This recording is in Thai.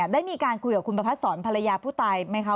ได้มีการคุยกับคุณประพัดศรภรรยาผู้ตายไหมคะ